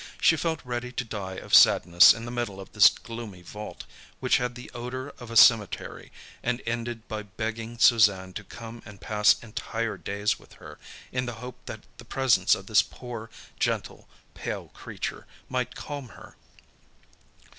She felt ready to die of sadness in the middle of this gloomy vault, which had the odour of a cemetery, and ended by begging Suzanne to come and pass entire days with her, in the hope that the presence of this poor, gentle, pale creature might calm her.